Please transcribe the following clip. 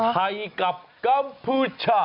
ไทยกับกัมพูชา